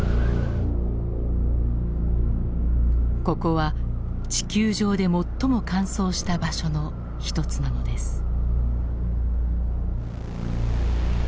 ここは地球上で最も乾燥した場所の一つなのです。